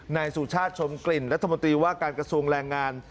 นายสุชาติชมกลิ่นรัฐมนตรีว่าการกระทรวงแรงงาน